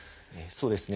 そうですね。